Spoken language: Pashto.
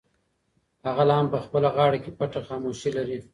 هغه لا هم په خپله غاړه کې پټه خاموشي لري.